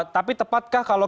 tapi tepatkah kalau